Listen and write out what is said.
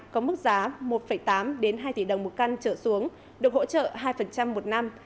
có mức giá một tám hai tỷ đồng một căn trở xuống được hỗ trợ hai một năm